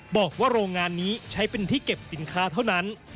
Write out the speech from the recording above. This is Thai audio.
บอกว่าโรงงานนี้ใช้เป็นที่เก็บสินค้าเท่านั้น